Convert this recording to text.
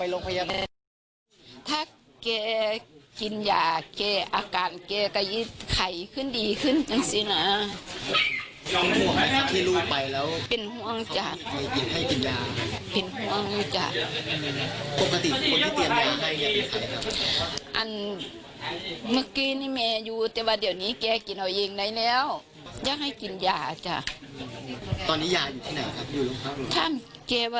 แล้วอยากให้กินยาตอนนี้ยาอยู่ที่ไหนครับอยู่ลงพักหรือ